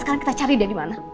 sekarang kita cari dia dimana